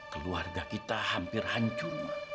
keluarga kita hampir hancur